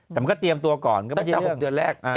แต่มันก็เตรียมตัวก่อนตั้งแต่๖เดือนแรก